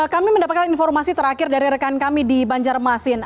kami mendapatkan informasi terakhir dari rekan kami di banjarmasin